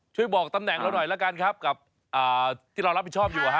บอกตำแหน่งเราหน่อยละกันครับกับที่เรารับผิดชอบอยู่